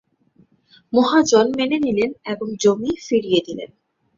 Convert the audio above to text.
মহাজন মেনে নিলেন এবং জমি ফিরিয়ে দিলেন।